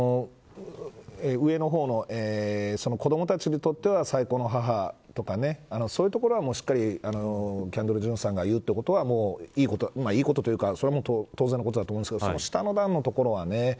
上の方の子どもたちにとっては最高の母とかそういうところは、しっかりキャンドル・ジュンさんが言うということはそれは当然のことだと思うんですけどその下の段のところはね